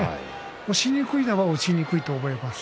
押しにくいは押しにくいと思います。